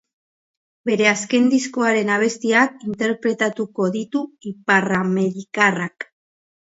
Bere azken diskoaren abestiak interpretatuko ditu iparramerikarrak.